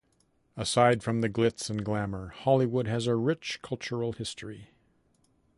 Aside from the glitz and glamour, Hollywood has a rich cultural history.